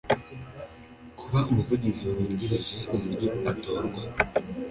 kuba umuvugizi wungirije uburyo atorwa